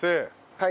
はい。